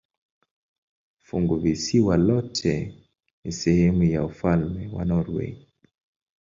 Funguvisiwa lote ni sehemu ya ufalme wa Norwei.